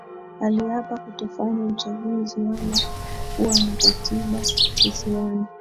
Aliapa kutofanya uchaguzi wala kuwa na Katiba Kisiwani